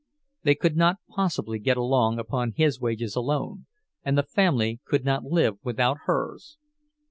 They could not possibly get along upon his wages alone, and the family could not live without hers.